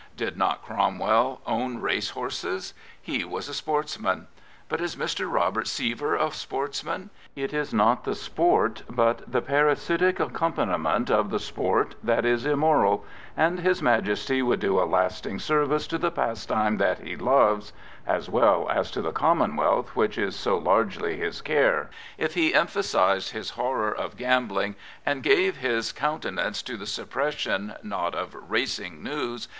Did not Cromwell own race horses ? He was a sportsman. But is Mr. Robert Sievier a sportsman? It is n ot sport that is immor^, and his Majesty would do a lasting service to the pastime that he loves, as well as to the commonwealth which is so largely his care, if he emphasised his horror of gambling, and gave his countenance to the suppression not of racing news.